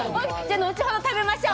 後ほど食べましょう。